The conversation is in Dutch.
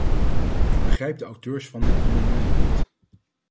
Ik begrijp de auteurs van dit amendement niet.